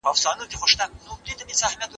څنګه منفي خبرونه اورېدل رواني فشار زیاتوي؟